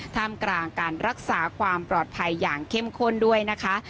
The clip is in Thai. ท่ามกลางการรักษาความปลอดภัยอย่างเข้มข้นด้วยนะคะ